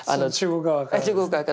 中国側から？